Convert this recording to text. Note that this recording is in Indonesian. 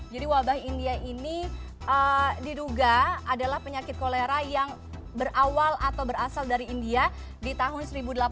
jadi wabah india ini diduga adalah penyakit kolera yang berawal atau berasal dari india di tahun seribu delapan ratus tiga puluh satu